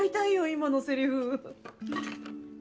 今のセリフ。